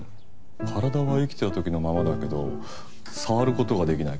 体は生きてる時のままだけど触る事ができない。